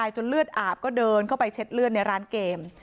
แต่คนที่เบิ้ลเครื่องรถจักรยานยนต์แล้วเค้าก็ลากคนนั้นมาทำร้ายร่างกาย